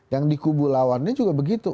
yang di kubu lawannya juga begitu